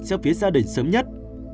cho phía gia đình sớm nhất